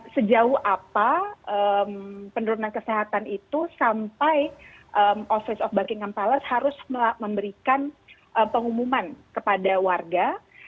sejauh apa penurunan kesehatan itu sampai office of buckingham palace harus memberikan pengumuman kepada warga